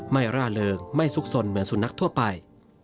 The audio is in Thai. ไม่ระเลิงไม่สุกซนเหมือนสูนักทั่วไป